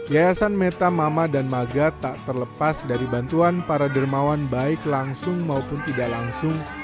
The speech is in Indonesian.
yayasan meta mama dan maga tak terlepas dari bantuan para dermawan baik langsung maupun tidak langsung